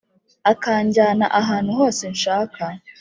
Akanjyana ahantu hose nshaka